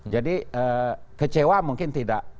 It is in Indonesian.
jadi kecewa mungkin tidak